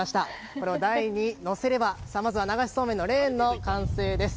これを台に乗せれば流しそうめんのレーンの完成です。